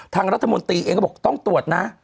ทางรัฐมนตรีเองก็บอกต้องตรวจนะ